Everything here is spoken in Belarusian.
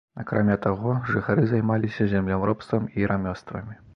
Акрамя таго, жыхары займаліся земляробствам і рамёствамі.